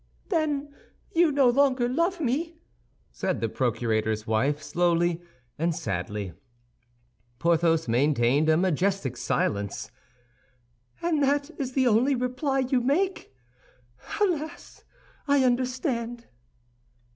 "Then you no longer love me!" said the procurator's wife, slowly and sadly. Porthos maintained a majestic silence. "And that is the only reply you make? Alas, I understand."